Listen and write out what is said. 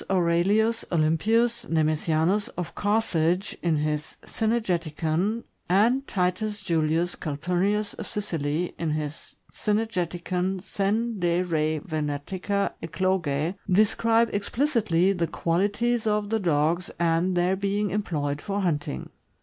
Aurelius Olympius Neme sianus of Carthage, in his " Cynegeticon," and Titus Julius Calpurnius of Sicily, in his "Cynegeticon sen de re Vene tica Eclogse," describe explicitly the qualities of the dogs, and their being employed for hunting.